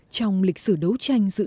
trong lịch sử đấu tranh dựng